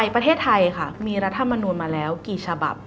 ประเทศไทยค่ะมีรัฐมนูลมาแล้วกี่ฉบับ